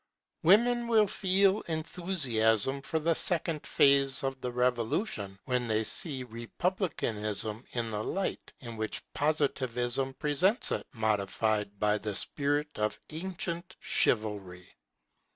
Women will feel enthusiasm for the second phase of the Revolution, when they see republicanism in the light in which Positivism presents it, modified by the spirit of ancient chivalry.